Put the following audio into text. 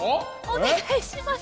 おねがいします。